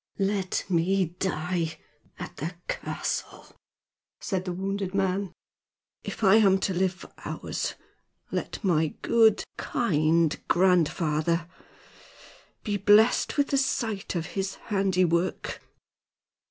"Let me die at the castle," said the wounded man. "If I am to live for hours, let my good, kind grandfather be blessed with the sight of his handiwork!"